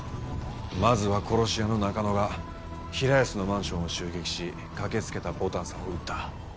まずは殺し屋の中野が平安のマンションを襲撃し駆けつけた牡丹さんを撃った。